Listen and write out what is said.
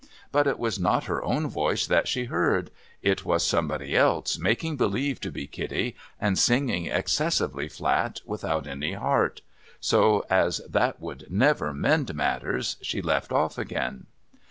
But, it was not her own voice tliat she heard — it was somebody else making believe to be Kitty, and singing excessively flat, without any heart — so as that would never mend matters, she left off again.